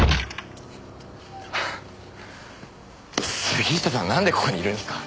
杉下さんなんでここにいるんですか？